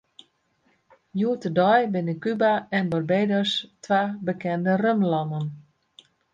Hjoed-de-dei binne Kuba en Barbados twa bekende rumlannen.